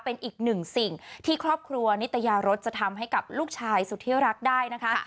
เป็นอีกหนึ่งสิ่งที่ครอบครัวนิตยารสจะทำให้กับลูกชายสุดที่รักได้นะคะ